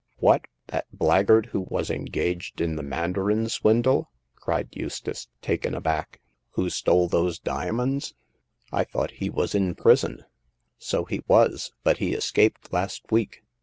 What ! that blackguard who was engaged in the mandarin swindle !" cried Eustace, taken aback —who stole those diamonds ! I thought he was in prison !" "So he was ; but he escaped last week.